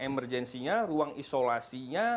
emergensinya ruang isolasinya